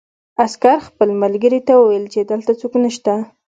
عسکر خپل ملګري ته وویل چې دلته څوک نشته